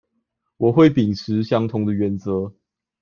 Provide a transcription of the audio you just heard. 我會秉持相同的原則